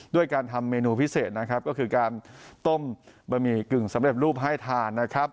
ด้วยการทำเมนูพิเศษนะครับก็คือการต้มบะหมี่กึ่งสำเร็จรูปให้ทานนะครับ